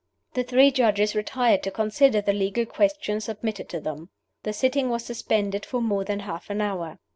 The three Judges retired to consider the legal question submitted to them. The sitting was suspended for more than half an hour.